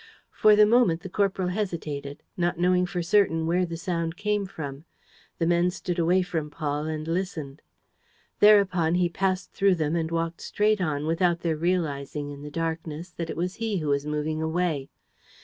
For the moment the corporal hesitated, not knowing for certain where the sound came from. The men stood away from Paul and listened. Thereupon he passed through them and walked straight on, without their realizing, in the darkness, that it was he who was moving away.